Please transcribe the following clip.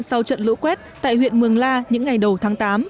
sau trận lũ quét tại huyện mường la những ngày đầu tháng tám